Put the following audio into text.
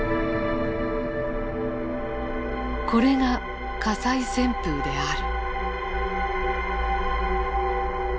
これが火災旋風である。